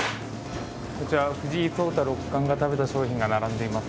藤井聡太六冠が食べた商品が並んでいます。